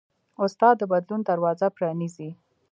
استاد د بدلون دروازه پرانیزي.